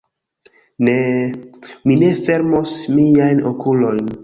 Ne... mi ne fermos miajn okulojn...